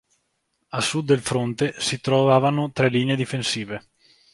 A sud del forte si trovavano tre linee difensive.